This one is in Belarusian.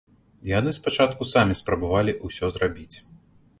Яны спачатку самі спрабавалі ўсё зрабіць.